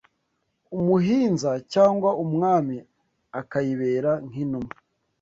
umuhinza cyangwa umwami akayibera nk’intumwa